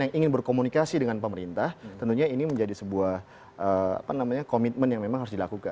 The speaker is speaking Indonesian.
yang ingin berkomunikasi dengan pemerintah tentunya ini menjadi sebuah komitmen yang memang harus dilakukan